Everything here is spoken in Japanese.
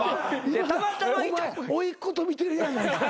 お前おいっ子と見てるやないか。